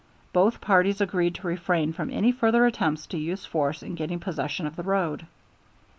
Both parties agreed to refrain from any further attempts to use force in getting possession of the road.